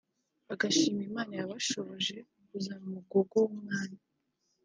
agashima Imana yabashoboje kuzana Umugogo w’Umwami